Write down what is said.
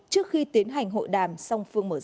trước khi tiến hành hội đàm song phương mở rộng